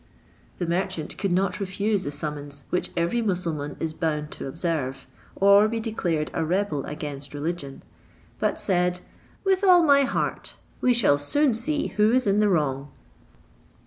The merchant could not refuse the summons, which every Mussulmaun is bound to observe, or be declared a rebel against religion; but said, "With all my heart; we shall soon see who is in the wrong."